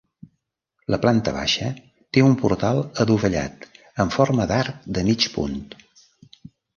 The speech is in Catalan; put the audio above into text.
La planta baixa té un portal adovellat amb forma d'arc de mig punt.